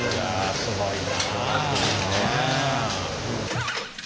すごいな。